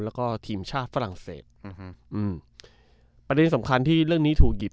แล้วก็ทีมชาติฝรั่งเศสอืมอืมประเด็นสำคัญที่เรื่องนี้ถูกหยิบ